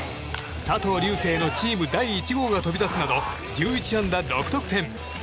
佐藤龍世のチーム第１号が飛び出すなど１１安打６得点。